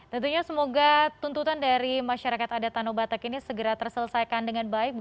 tentunya semoga tuntutan dari masyarakat adat danau batak ini segera terselesaikan dengan baik